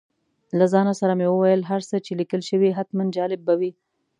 له ځان سره مې وویل هر څه چې لیکل شوي حتماً جالب به وي.